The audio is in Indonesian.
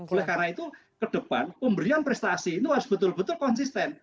oleh karena itu ke depan pemberian prestasi itu harus betul betul konsisten